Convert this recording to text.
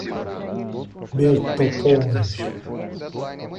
Bertópolis